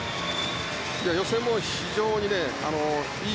予選も非常にいい